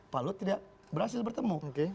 pak luhut tidak berhasil bertemu